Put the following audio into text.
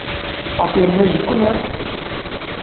Apên me ji ku ne?